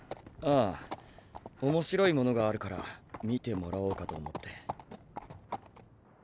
あぁ面白いものがあるから見てもらおうかと思って。